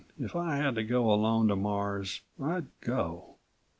if I had to go alone to Mars I'd go.